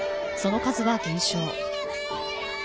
その数は減少。